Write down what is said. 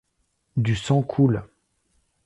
Du sang coule.